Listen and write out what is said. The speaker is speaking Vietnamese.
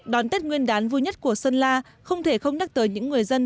đón tết nguyên đán vui nhất của sơn la không thể không nhắc tới những người dân